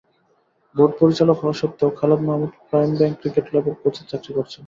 Board পরিচালক হওয়া সত্ত্বেও Khaled Mahmud Prime Bank cricket ক্লাবের কোচের চাকরি করছেন।